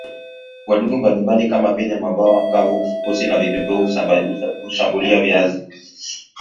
wadudu mbalimbali kama vile mbawa kavu fukusi na vipepeo hushambulia viazi